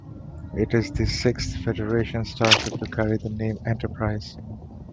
It is the sixth Federation starship to carry the name "Enterprise".